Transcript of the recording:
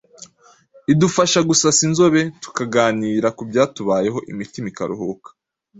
idufasha gusasa inzobe, tukaganira ku byatubayeho imitima ikaruhuka,